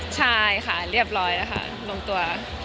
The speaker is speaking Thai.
ใช่ค่ะเรียบร้อยนะคะลงตัว